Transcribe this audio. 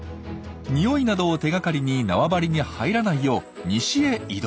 においなどを手がかりに縄張りに入らないよう西へ移動。